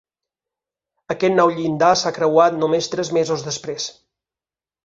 Aquest nou llindar s’ha creuat només tres mesos després.